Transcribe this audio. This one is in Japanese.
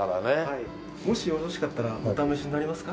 もしよろしかったらお試しになりますか？